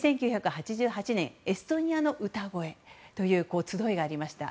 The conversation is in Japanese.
１９８８年「エストニアの歌声」という集いがありました。